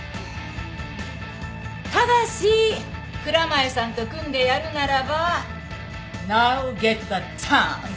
ただし蔵前さんと組んでやるならばナウゲッタチャンス！